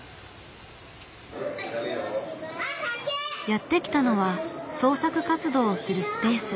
やって来たのは創作活動をするスペース。